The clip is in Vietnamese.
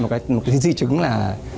một cái di chứng là